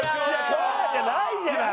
コアラじゃないじゃない。